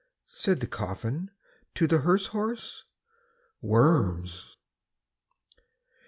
Said the coffin to the hearse horse, "Worms!"